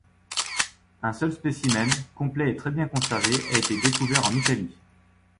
Un seul spécimen, complet et très bien conservé, a été découvert en Italie.